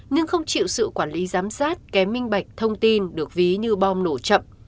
nhưng không chịu sự quản lý giám sát kém minh bạch thông tin được ví như bom nổ chậm